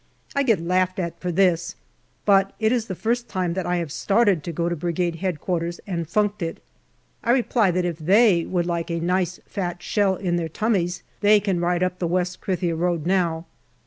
I get laughed at for this. But it is the first time that I have started to go to Brigade H.Q. and funked it. I reply that if they would like a nice fat shell in their tummies they can ride up the West Krithia road now.